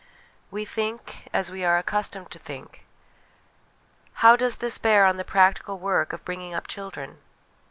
We Think, as we are accustomed to Think. How does this bear on the practical work of bring ing up children?